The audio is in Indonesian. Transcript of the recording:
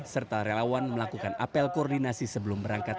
serta relawan melakukan apel koordinasi sebelum berangkat